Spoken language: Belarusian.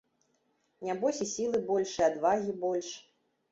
Нябось і сілы больш, і адвагі больш.